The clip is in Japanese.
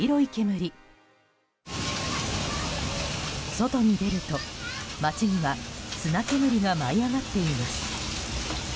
外に出ると、街には砂煙が舞い上がっています。